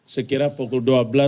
sekiranya pukul dua tiga puluh